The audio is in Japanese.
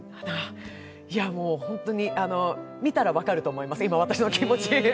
いや、もう本当に見たら分かると思います、私の気持ち。